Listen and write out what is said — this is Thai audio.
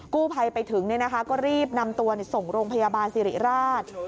กู้ภัยไปถึงก็รีบนำตัวส่งโรงพยาบาลสิริราช